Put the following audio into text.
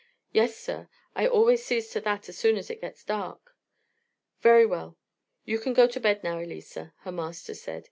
"Yes, sir; I always sees to that as soon as it gets dark." "Very well; you can go to bed now, Elisa," her master said.